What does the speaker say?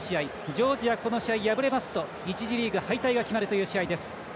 ジョージア、この試合敗れますと１次リーグ敗退が決まるという試合です。